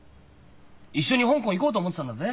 一緒に香港行こうと思ってたんだぜ。